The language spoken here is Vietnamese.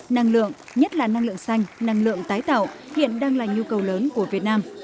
năng lượng nhất là năng lượng xanh năng lượng tái tạo hiện đang là nhu cầu lớn của việt nam